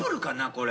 これ。